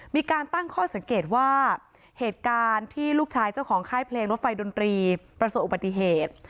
มีการตั้งข้อสังเกตว่าเหตุการณ์ที่ลูกชายเจ้าของค่ายเพลงรถไฟดนตรีประสบอุบัติเหตุ